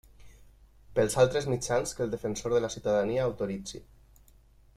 Pels altres mitjans que el Defensor de la Ciutadania autoritzi.